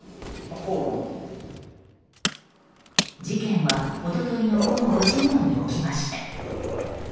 事件は一昨日の午後５時ごろに起きました。